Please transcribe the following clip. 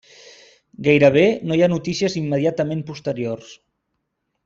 Gairebé no hi ha notícies immediatament posteriors.